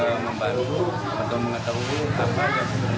atau mengetahui apa yang sebenarnya akan mengelak ini